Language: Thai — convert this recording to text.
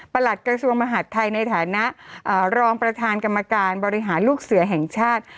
หลัดกระทรวงมหาดไทยในฐานะรองประธานกรรมการบริหารลูกเสือแห่งชาติ